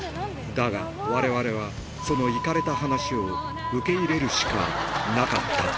だが、われわれはそのイカれた話を受け入れるしかなかった。